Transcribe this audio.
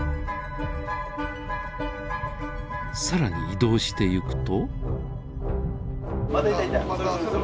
更に移動していくと。